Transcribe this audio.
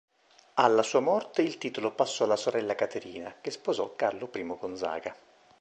Alla sua morte, il titolo passò alla sorella Caterina, che sposò Carlo I Gonzaga.